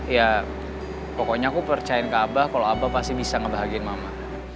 kalo bilang ke abah ya pokoknya aku percaya ke abah kalo abah pasti bisa ngebahagiin mama